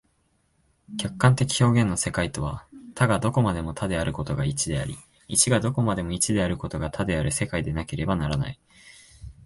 客観的表現の世界とは、多がどこまでも多であることが一であり、一がどこまでも一であることが多である世界でなければならない。